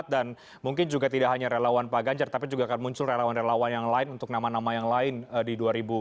mungkin juga tidak hanya relawan pak ganjar tapi juga akan muncul relawan relawan yang lain untuk nama nama yang lain di dua ribu dua puluh